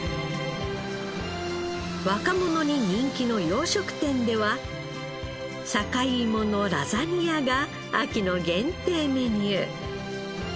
若者に人気の洋食店では坂井芋のラザニアが秋の限定メニュー。